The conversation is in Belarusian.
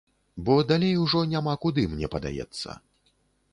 Бо далей ужо няма куды, мне падаецца.